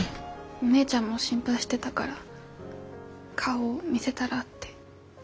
お姉ちゃんも心配してたから顔見せたらって。